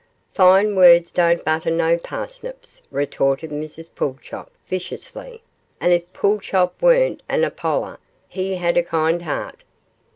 'Fine words don't butter no parsnips,' retorted Mrs Pulchop, viciously; 'and if Pulchop weren't an Apoller, he had a kind heart.